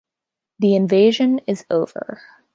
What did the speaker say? The invasion is over.